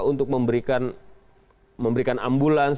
untuk memberikan ambulans